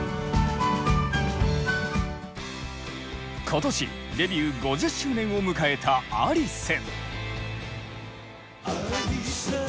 今年デビュー５０周年を迎えたアリス。